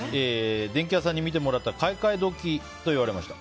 電気屋さんに見てもらったら買い替え時と言われました。